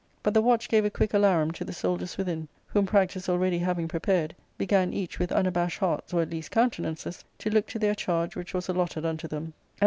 But the watch gave a quick alarum to the soldiers within, whom practice already having prepared, began each, with unabashed hearts, or at least countenances, to look to their charge which was allotted unto thenu Arcadia:— Booh in.